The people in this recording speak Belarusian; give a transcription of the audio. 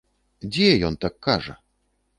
Дзе ён так кажа?